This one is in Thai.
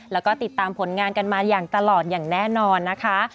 แล้วก็ติดตามผลงานกันมาอย่างตลอดอย่างแน่นอนนะคะ